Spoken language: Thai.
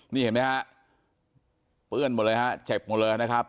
นี่เห็นไหมฮะเปื้อนหมดเลยฮะเจ็บหมดเลยนะครับ